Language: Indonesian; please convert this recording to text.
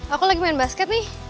aku lagi main basket nih